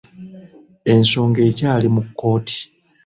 Ensongo ekyali mu kkooti.